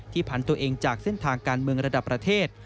พันตัวเองจากเส้นทางการเมืองระดับประเทศ